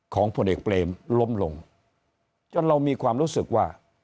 ผลเอกเปรมล้มลงจนเรามีความรู้สึกว่า